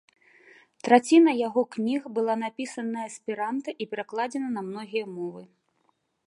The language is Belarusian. Траціна яго кніг была напісана на эсперанта і перакладзена на многія мовы.